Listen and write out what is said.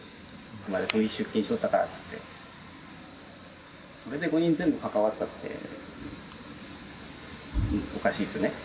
お前、出勤しとったからっていって、それで５人全部関わったって、おかしいですよね。